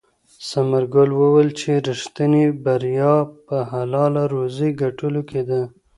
ثمرګل وویل چې ریښتینې بریا په حلاله روزي ګټلو کې ده.